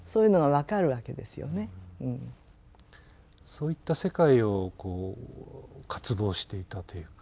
そういった世界を渇望していたというか。